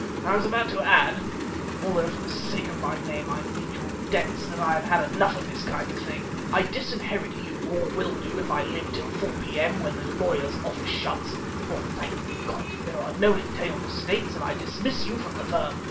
"I was about to add, although for the sake of my name I meet your debts, that I have had enough of this kind of thing. I disinherit you, or will do if I live till 4 p.m. when the lawyer's office shuts, for thank God! there are no entailed estates, and I dismiss you from the firm.